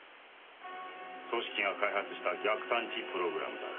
組織が開発した逆探知プログラムだ。